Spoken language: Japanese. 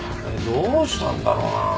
どうしたんだろうな？